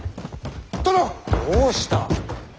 どうした。